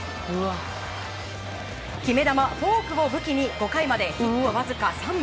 決め球、フォークを武器に５回までヒットわずか３本。